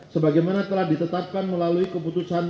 sebagaimana telah ditetapkan melalui keputusan